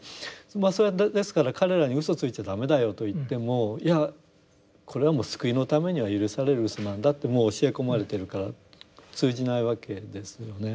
それはですから彼らに嘘ついちゃ駄目だよと言ってもいやこれはもう救いのためには許される嘘なんだってもう教え込まれてるから通じないわけですよね。